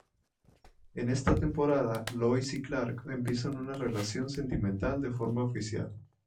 En esta temporada, Lois y Clark empiezan una relación sentimental de forma oficial.